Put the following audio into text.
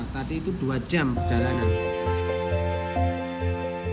tadi itu dua jam perjalanan